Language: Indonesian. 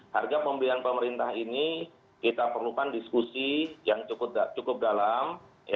harga pembelian pemerintah ini kita perlukan diskusi yang cukup dalam